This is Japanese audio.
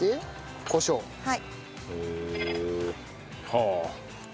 はい。